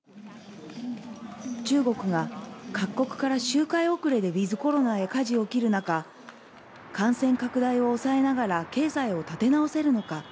中国が各国から周回遅れでウィズコロナへ舵を切る中、感染拡大を抑えながら経済を立て直せるのか。